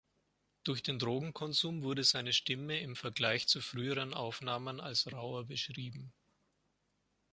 Durch den Drogenkonsum wurde seine Stimme im Vergleich zu früheren Aufnahmen als rauer beschrieben.